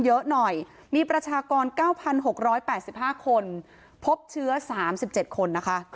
ชุมชนแฟลต๓๐๐๐๐มีประชากร๓๐๐๐๐คนพบเชื้อ๓๐๐๐๐คนพบเชื้อ๓๐๐๐๐คน